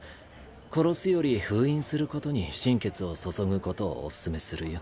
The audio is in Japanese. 殺すより封印することに心血を注ぐことをお勧めするよ。